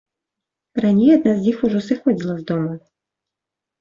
Раней адна з іх ужо сыходзіла з дома.